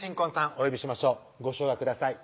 お呼びしましょうご唱和ください